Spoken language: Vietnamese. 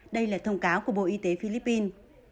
đây là thông cáo của bộ y tế philippines